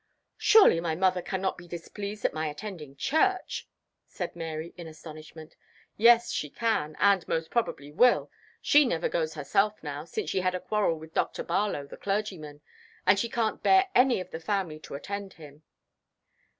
"Surely my mother cannot be displeased at my attending church!" said Mary in astonishment. "Yes, she can, and most certainly will. She never goes herself now, since she had a quarrel with Dr. Barlow, the clergyman; and she can't bear any of the family to attend him."